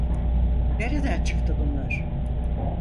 Nereden çıktı bunlar?